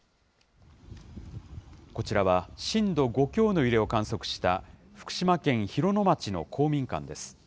こちらは震度５強の揺れを観測した、福島県広野町の公民館です。